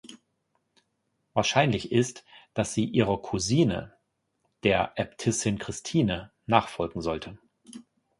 Wahrscheinlich ist, dass sie ihrer Cousine, der Äbtissin Christine, nachfolgen sollte.